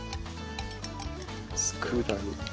佃煮。